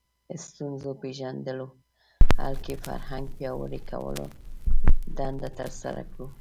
ستونزو پېژندلو حل کې فرهنګ پیاوړي کولو دنده ترسره کړو